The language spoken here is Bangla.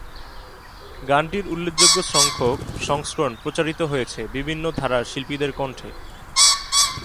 গানটির উল্লেখযোগ্য সংখ্যক সংস্করণ প্রচারিত হয়েছে বিভিন্ন ধারার শিল্পীদের কণ্ঠে।